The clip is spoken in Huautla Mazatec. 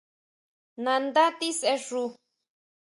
Nandá tisexu.